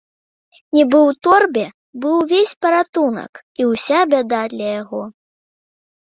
Нібы ў торбе быў увесь паратунак і ўся бяда для яго.